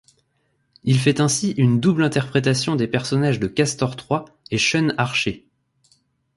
Il fait ainsi une double interprétation des personnages de Castor Troy et Sean Archer.